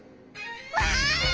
わい！